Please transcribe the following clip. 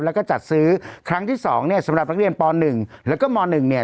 แล้วก็จัดซื้อครั้งที่สองเนี่ยสำหรับนักเรียนป๑แล้วก็ม๑เนี่ย